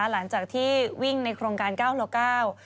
หลังจากที่วิ่งในโครงการ๙คนละ๙